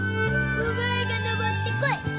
お前が登ってこい！